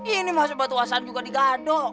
ini masuk batu asan juga digaduh